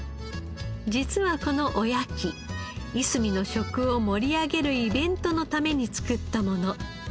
実はこのおやきいすみの食を盛り上げるイベントのために作ったもの。